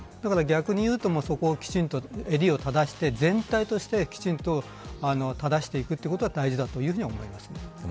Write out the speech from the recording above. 逆にいうと、そこをきちんと襟を正して全体としてきちんと正していくことが大事だと思います。